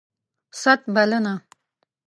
ست ... بلنه